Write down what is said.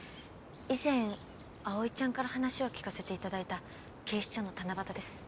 以前葵ちゃんから話を聞かせて頂いた警視庁の七夕です。